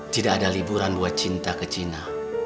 tidak ada liburan buat cinta ke china